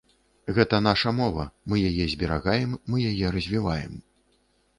Гэта наша мова, мы яе зберагаем, мы яе развіваем.